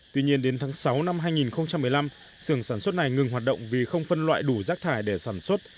tuy nhiên đến tháng sáu năm hai nghìn một mươi năm sườn sản xuất này ngừng hoạt động vì không phân loại đủ rác thải để sản xuất